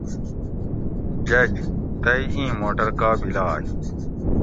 جج تئی اِیں موٹر کا بیلائ؟